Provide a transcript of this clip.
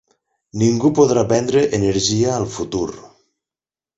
Ningú podrà vendre energia al futur.